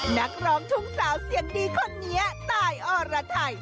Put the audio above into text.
นักร้องทุ่งสาวเสียงดีคนนี้ตายอรไทย